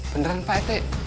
beneran pak rt